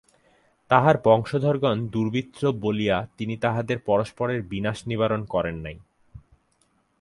তাঁহার বংশধরগণ দুর্বৃত্ত বলিয়া তিনি তাহাদের পরস্পরের বিনাশ নিবারণ করেন নাই।